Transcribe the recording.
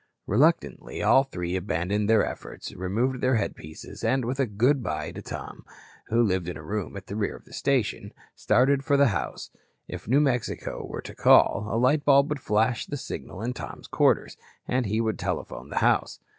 Reluctantly, all three abandoned their efforts, removed their headpieces, and with a "good bye" to Tom, who lived in a room at the rear of the station, started for the house. If New Mexico were to call, a light bulb would flash the signal in Tom's quarters, and he would telephone the house.